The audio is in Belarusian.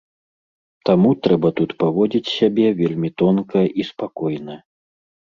Таму трэба тут паводзіць сябе вельмі тонка і спакойна.